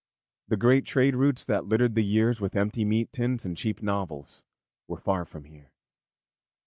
The great trade routes that littered the years with empty meat tins and cheap novels were far from here.